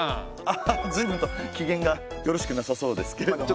アハハ随分と機嫌がよろしくなさそうですけれども。